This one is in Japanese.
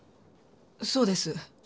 そうです。